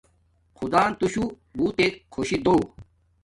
خدان توشو بوتک خوشی دو